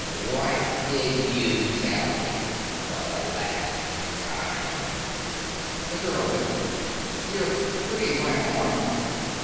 "What did you tell him? For the latht time." The girl whimpered: "You are hurting my arm."